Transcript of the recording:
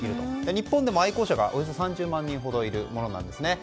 日本でも愛好者がおよそ３０万人ほどいるものなんですね。